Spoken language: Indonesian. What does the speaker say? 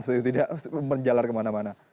sudah tidak menjalar kemana mana